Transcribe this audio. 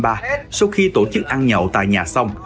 sau khi tổ chức ăn nhậu tại nhà xong